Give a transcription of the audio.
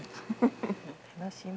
楽しみ。